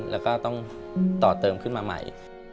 แล้วก็ต้องต่อเติมขึ้นมาใหม่